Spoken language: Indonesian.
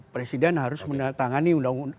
presiden harus menandatangani